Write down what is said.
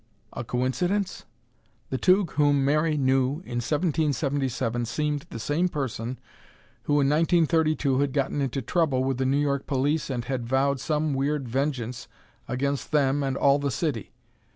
A coincidence? The Tugh whom Mary knew in 1777 seemed the same person who, in 1932, had gotten into trouble with the New York police and had vowed some weird vengeance against them and all the city.